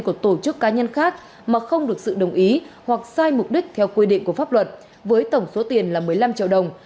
của tổ chức cá nhân khác mà không được sự đồng ý hoặc sai mục đích theo quy định của pháp luật với tổng số tiền là một mươi năm triệu đồng